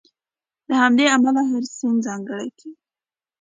له همدې امله هر سند ځانګړی کېږي.